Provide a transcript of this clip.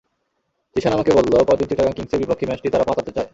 জিশান আমাকে বলল, পরদিন চিটাগং কিংসের বিপক্ষে ম্যাচটি তারা পাতাতে চায়।